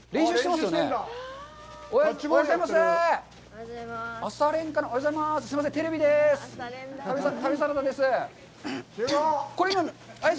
すいません、テレビです。